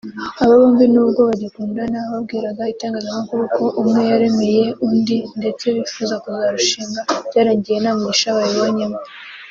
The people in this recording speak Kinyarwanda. Aba bombi nubwo bagikundana babwiraga itangazamakuru ko umwe yaremeye undi ndetse bifuza kuzarushinga byarangiye nta mugisha babibonyemo